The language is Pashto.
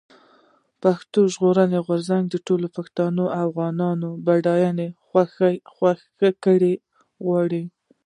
پښتون ژغورني غورځنګ د ټولو پښتنو افغانانو بنديانو خوشي کول غواړي.